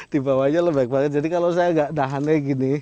dibawahnya lembek banget jadi kalau saya gak nahannya gini